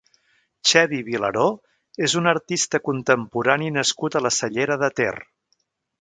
Xevi Vilaró és un artista contemporani nascut a la Cellera de Ter.